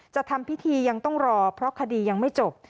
จะทำพิธียังต้องรอเพราะคดียังไม่จบ